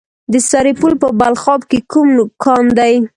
د سرپل په بلخاب کې کوم کان دی؟